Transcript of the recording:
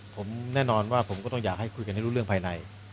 ผมแน่นอนว่าผมก็ต้องอยากให้คุยกันให้รู้เรื่องภายใน